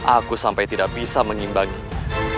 aku sampai tidak bisa mengimbanginya